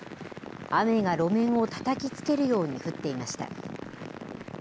雨が路面をたたきつけるように降っていました。